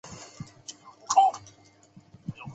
这意味着清党行动使得中国国民党党务系统大换血。